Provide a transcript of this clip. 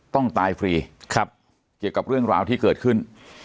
ต้องตายฟรีเกี่ยวกับเรื่องราวที่เกิดขึ้น